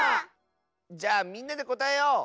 じゃあみんなでこたえよう！